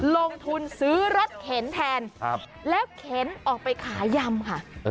ลงทุนซื้อรถเข็นแทนแล้วเข็นออกไปขายยำค่ะ